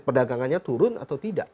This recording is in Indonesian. perdagangannya turun atau tidak